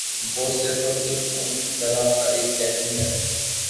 وہ صرف اور صرف ان کی طرح کا ایک قیدی ہے ا